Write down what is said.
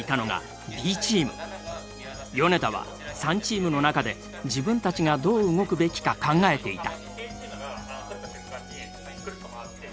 米田は３チームの中で自分たちがどう動くべきか考えていた。